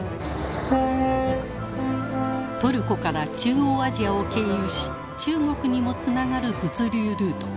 トルコから中央アジアを経由し中国にもつながる物流ルート